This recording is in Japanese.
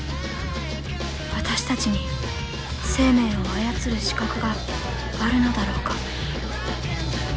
私たちに生命を操る資格があるのだろうか。